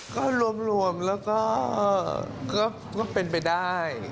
ก็รวมแล้วก็เป็นไปได้